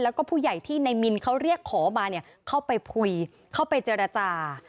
แล้วก็ผู้ใหญ่ที่ในมินเขาเรียกขอมาเนี่ยเข้าไปคุยเข้าไปเจรจา